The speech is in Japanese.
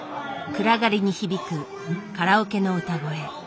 暗がりに響くカラオケの歌声。